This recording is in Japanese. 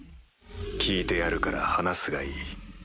聞いてやるから話すがいい。